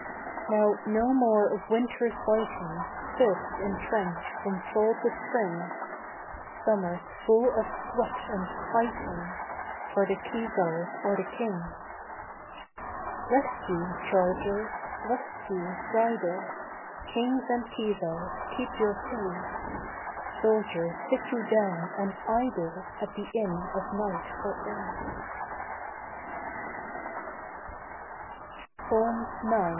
Now no more of winters biting, Filth in trench from fall to spring, Summers full of sweat and fighting For the Kesar or the King. Rest you, charger, rust you, bridle; Kings and kesars, keep your pay; Soldier, sit you down and idle At the inn of night for aye. IX.